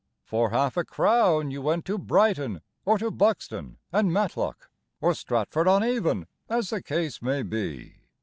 For half a crown You went to Brighton, Or to Buxton and Matlock, Or Stratford on Avon, As the case may be.